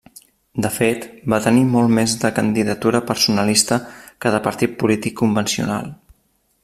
De fet va tenir molt més de candidatura personalista que de partit polític convencional.